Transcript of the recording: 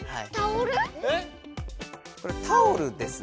これタオルですね。